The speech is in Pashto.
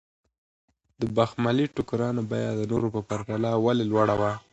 د بخملي ټوکرانو بیه د نورو په پرتله ولې لوړه وه؟